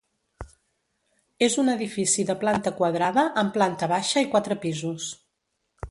És un edifici de planta quadrada amb planta baixa i quatre pisos.